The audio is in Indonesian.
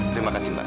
terima kasih mbak